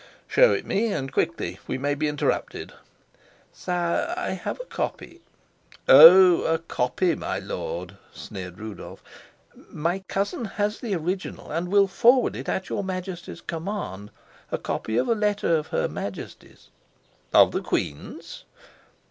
"Show it me, and quickly. We may be interrupted." "Sire, I have a copy " "Oh, a copy, my lord?" sneered Rudolf. "My cousin has the original, and will forward it at your Majesty's command. A copy of a letter of her Majesty's " "Of the queen's?"